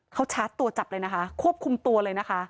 เขาชาร์จตัวจับเลยนะคะควบคุมตัวเลยนะคะ